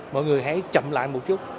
mọi người hãy chậm lại một chút